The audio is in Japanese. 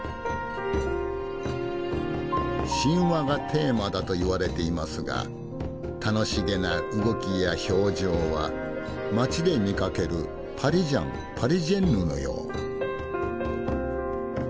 神話がテーマだといわれていますが楽しげな動きや表情は街で見かけるパリジャンパリジェンヌのよう。